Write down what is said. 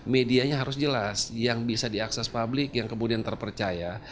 medianya harus jelas yang bisa diakses publik yang kemudian terpercaya